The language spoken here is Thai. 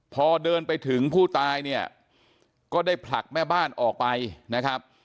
พอเดินไปถึงผู้ตายเนี่ยก็ได้ผลักแม่บ้านออกไปนะครับ